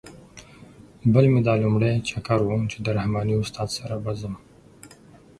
بل مې دا لومړی چکر و چې د رحماني استاد سره به ځم.